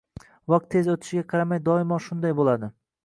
Vaqt tez o‘tishiga qaramay doimo shunday bo‘ladi.